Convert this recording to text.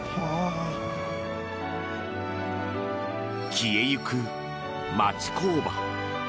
消えゆく町工場。